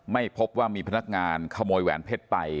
ไม่พบว่ามีพนักงานขโมยแหวนเพชรไป